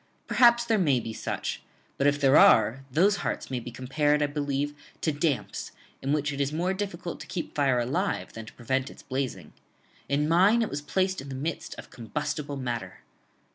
Perhaps there may be such: but, if there are, those hearts may be compared, I believe, to damps, in which it is more difficult to keep fire alive than to prevent its blazing: in mine it was placed in the midst of combustible matter.